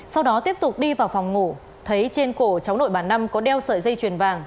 sau đó tiếp tục đi vào phòng ngủ thấy trên cổ cháu nội bà năm có đeo sợi dây chuyền vàng